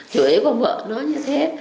chủi con vợ nó như thế